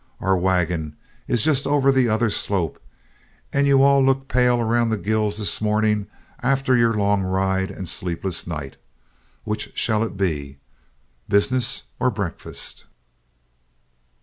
Our wagon is just over the other slope, and you all look pale around the gills this morning after your long ride and sleepless night. Which shall it be, business or breakfast?"